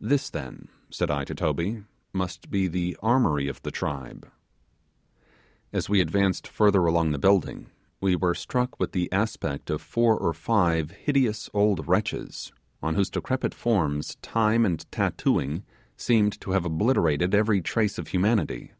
This then, said I to Toby, must be the armoury of the tribe. As we advanced further along the building, we were struck with the aspect of four or five hideous old wretches, on whose decrepit forms time and tattooing seemed to have obliterated every trace of humanity.